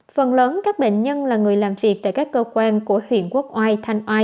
phần lớn các bệnh nhân là người làm việc tại các cơ quan của huyện quốc oai thanh oai